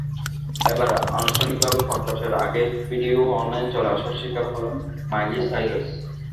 এবার আনুষ্ঠানিকভাবে প্রকাশের আগেই ভিডিও অনলাইনে চলে আসার শিকার হলেন মাইলি সাইরাস।